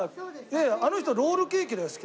あの人ロールケーキだよ好きな。